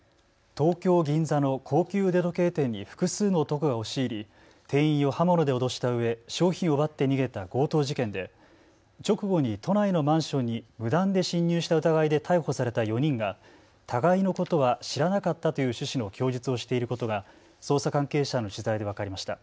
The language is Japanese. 東京銀座の高級腕時計店に複数の男が押し入り店員を刃物で脅したうえ商品を奪って逃げた強盗事件で直後に都内のマンションに無断で侵入した疑いで逮捕された４人が互いのことは知らなかったという趣旨の供述をしていることが捜査関係者への取材で分かりました。